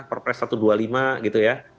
perpres satu ratus dua puluh lima gitu ya